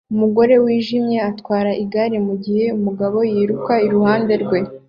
Umugore wijimye atwara igare mugihe umugabo yiruka iruhande rwe